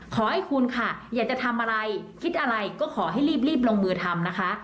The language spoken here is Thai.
ขอให้คุณค่ะอยากจะทำอะไรคิดอะไรก็ขอให้รีบลงมือทำนะคะ